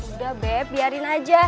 udah beb biarin aja